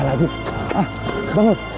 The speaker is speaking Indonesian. ya allah bangun